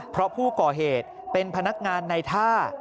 เพราะผู้ก่อเหตุเป็นพนักงานในท่า